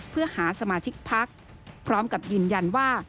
เพื่อหาสมาชิกพักพร้อมกับยืนยันว่า